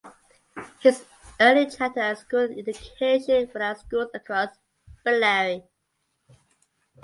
His early childhood and school education were at schools across Bellary.